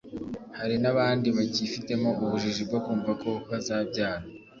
Hari n’abandi bakifitemo ubujiji bwo kumva ko bazabyara